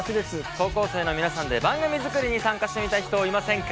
高校生の皆さんで番組づくりに参加してみたい人いませんか？